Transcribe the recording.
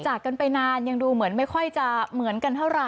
จากกันไปนานยังดูเหมือนไม่ค่อยจะเหมือนกันเท่าไหร